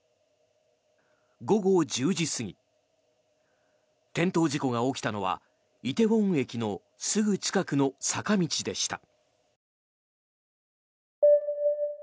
午後１０時過ぎ転倒事故が起きたのは梨泰院駅のすぐ近くの坂道でした。